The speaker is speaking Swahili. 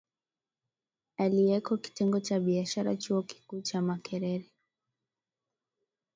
aliyeko Kitengo cha Biashara Chuo Kikuu cha Makerere